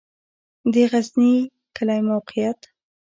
د غزنی کلی موقعیت